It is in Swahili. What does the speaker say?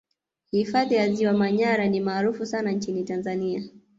Hifadhi ya Ziwa Manyara ni maarufu sana nchini Tanzania